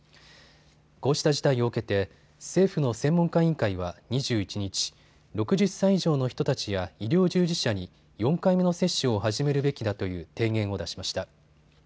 こうした事態を受けて政府の専門家委員会は２１日、６０歳以上の人たちや医療従事者に４回目の接種を始めるべきだという提言を出しました。